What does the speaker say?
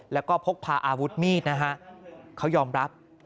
แล้วก็พกพาอาวุธมีดนะฮะเขายอมรับ